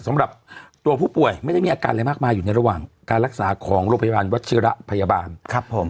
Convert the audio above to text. สำหรับตัวผู้ป่วยไม่ได้มีอาการอะไรมากมายอยู่ในระหว่างการรักษาของโรงพยาบาลวัชิระพยาบาลครับผม